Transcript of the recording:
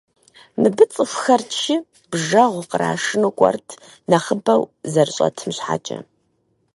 Мыбы цӏыхухэр чы, бжэгъу кърашыну кӏуэрт, нэхъыбэу зэрыщӏэтым щхьэкӏэ.